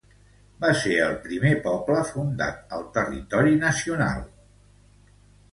Va ser el primer poble fundat al Territori Nacional de la Pampa Central.